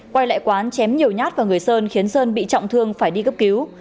quay lại quán chém nhiều nhát vào người sơn khiến sơn bị trọng thương phải đi cấp cứu